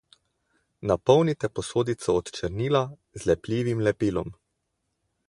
Napolnite posodico od črnila z lepljivim lepilom.